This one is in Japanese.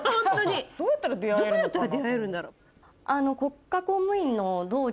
どうやったら出会えるんだろ？